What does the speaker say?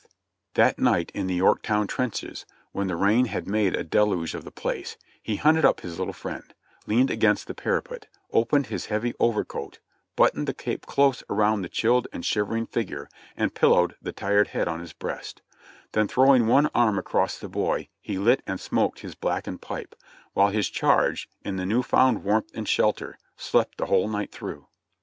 IN THE TRENCHES AT YORKTOWN 10/ That night in the Yorktown trenches, when the rain had made a deluge of the place, he hunted up his little friend, leaned against the parapet, opened his heavy overcoat, buttoned the cape close around the chilled and shivering figure, and pillowed the tired head on his breast; then throwing one arm across the boy he lit and smoked his blackened pipe, while his charge, in the new found warmth and shelter, slept the w^hole night through.